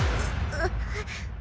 あっ。